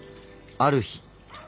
ある日。